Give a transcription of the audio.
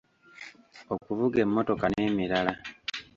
Okuvuga emmotoka n'emirala.